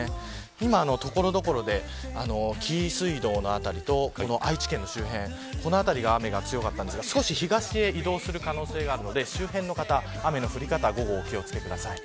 今、所々で紀伊水道の辺りと愛知県の周辺この辺りが雨が強かったんですが少し東へ移動する可能性があるので周辺の方は、雨の降り方にお気を付けください。